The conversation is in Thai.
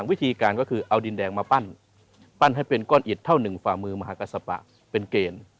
วิธีการก็คือเอาดินแดงมาปั้นปั้นให้เป็นก้อนอิดเท่าหนึ่งฝ่ามือมหากษปะเป็นเกณฑ์